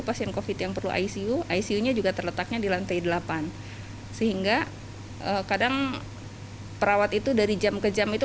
pasien covid yang perlu icu icu nya juga terletaknya di lantai delapan sehingga kadang perawat itu dari jam ke jam itu